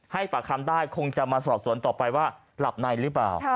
ปากคำได้คงจะมาสอบสวนต่อไปว่าหลับในหรือเปล่า